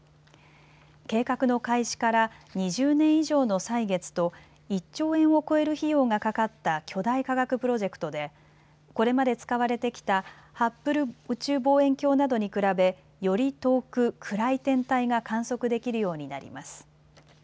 計画の開始から２０年以上の歳月と１兆円を超える費用がかかった巨大科学プロジェクトでこれまで使われてきたハッブル宇宙望遠鏡などに比べより遠く、暗い天体が観測できるようになります。